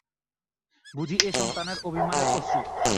বুঝি এ সন্তানের অভিমানের অশ্রু।